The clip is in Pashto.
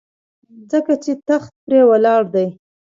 ځکه چې تخت پرې ولاړ دی.